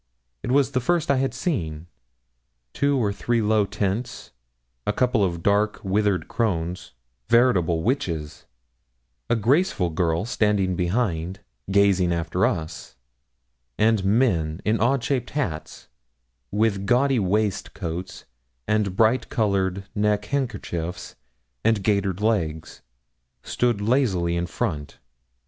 It was the first I had seen. Two or three low tents; a couple of dark, withered crones, veritable witches; a graceful girl standing behind, gazing after us; and men in odd shaped hats, with gaudy waistcoats and bright coloured neck handkerchiefs and gaitered legs, stood lazily in front.